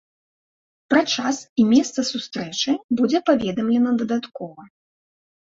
Пра час і месца сустрэчы будзе паведамлена дадаткова.